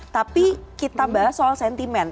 tapi kita bahas soal sentimen